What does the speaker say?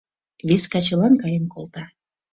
Вес качылан каен колта.